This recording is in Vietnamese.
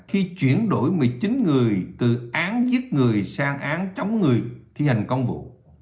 khi chuyển đổi một mươi chín người từ án giết người sang án chống người thi hành công vụ